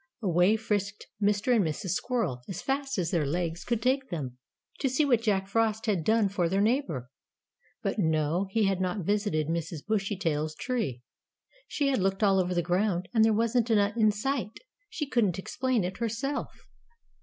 Away frisked Mr. and Mrs. Squirrel as fast as their legs could take them, to see what Jack Frost had done for their neighbour. But, no, he had not visited Mrs. Bushytail's tree. She had looked all over the ground, and there wasn't a nut in sight. She couldn't explain it herself.